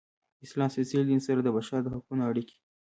د اسلام سپیڅلي دین سره د بشر د حقونو اړیکې.